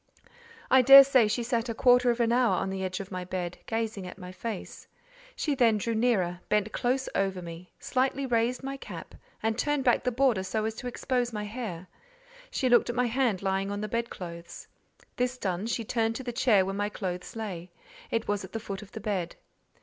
I daresay she sat a quarter of an hour on the edge of my bed, gazing at my face. She then drew nearer, bent close over me; slightly raised my cap, and turned back the border so as to expose my hair; she looked at my hand lying on the bedclothes. This done, she turned to the chair where my clothes lay: it was at the foot of the bed.